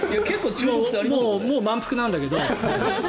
もう満腹なんだけど。